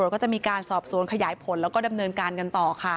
ก็จะมีการสอบสวนขยายผลแล้วก็ดำเนินการกันต่อค่ะ